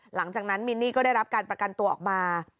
หลังจากนั้นมินนี่ก็ได้รับการประกันตัวออกมา